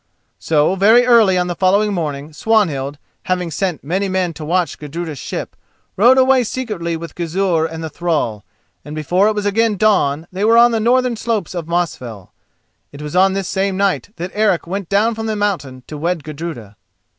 So very early on the following morning Swanhild, having sent many men to watch Gudruda's ship, rode away secretly with Gizur and the thrall, and before it was again dawn they were on the northern slopes of Mosfell. It was on this same night that Eric went down from the mountain to wed Gudruda.